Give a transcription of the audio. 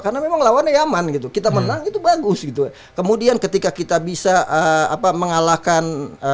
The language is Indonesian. karena memang lawannya yaman gitu kita menang itu bagus gitu kemudian ketika kita bisa apa mengalahkan